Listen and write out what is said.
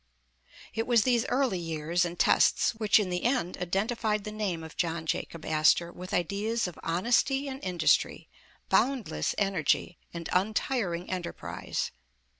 It was these early years and tests, which in the end, identified the name of John Jacob Astor with ideas of honesty and industry, boundless energy and untiring enterprise.